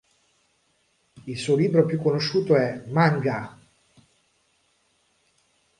Il suo libro più conosciuto è "Manga!